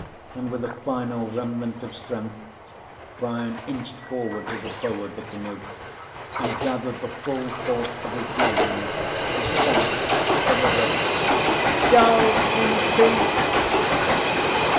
And with a final remnant of strength, Brian inched forward to the bow of the canoe and gathered the full force of his lungs to shout up the river: "Go in peace!"